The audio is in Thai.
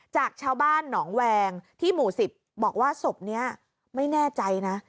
จากชาวบ้านหนองแวงที่หมู่๑๐บอกว่าศพนี้ไม่แน่ใจนะ